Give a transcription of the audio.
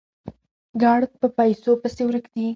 ګړد په پيسو پسې ورک دي